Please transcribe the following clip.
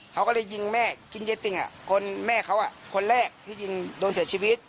เขาก็เลยยิงแม่กินเย้ติ่งคนแม่เขาคนแรกที่ยิงโดนเสียชีวิต